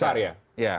paling besar ya